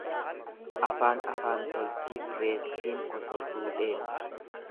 Afaan afaan toltiif reettiin kosorruu dheeddi.